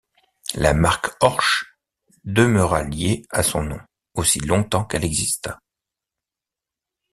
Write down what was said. La marque Horch demeura liée à son nom aussi longtemps qu'elle exista.